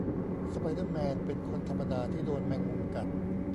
สไปเดอร์แมน เป็นคนธรรมดาที่โดนแมงมุมกัด